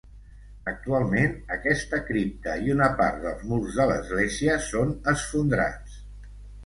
Actualment, aquesta cripta i una part dels murs de l'església són esfondrats.